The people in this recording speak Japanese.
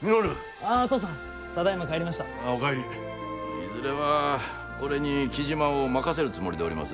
いずれはこれに雉真を任せるつもりでおります。